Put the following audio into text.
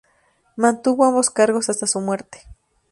Mantuvo ambos cargos hasta su muerte.